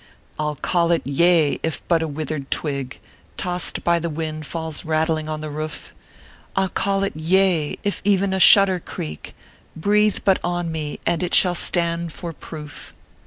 I ll call it YEA if but a withered twig, Tossed by the wind, falls rattling on the roof; I ll call it YEA, if e en a shutter creak, Breathe but on me, and it shall stand for proof!